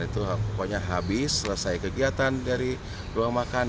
itu pokoknya habis selesai kegiatan dari ruang makan